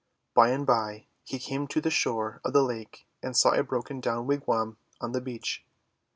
By and by he came to the shore of the lake and saw a broken down wigwam on the beach.